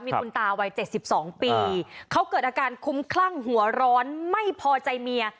มีคุณตาวัย๗๒ปีเขาเกิดอาการคุ้มคลั่งหัวร้อนไม่พอใจเมีย